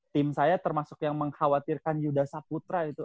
tim saya termasuk yang mengkhawatirkan yuda saputra itu